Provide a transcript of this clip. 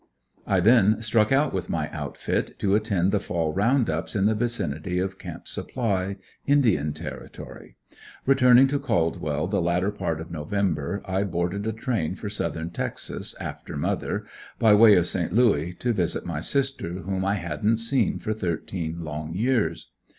I then struck out with my outfit to attend the fall round ups in the vicinity of Camp Supply, Indian Territory. Returning to Caldwell the latter part of November, I boarded a train for Southern Texas, after mother, by way of Saint Louis to visit my sister whom I hadn't seen for thirteen long years.